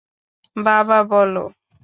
বাবা, বলো।